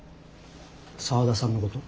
沢田さんのこと。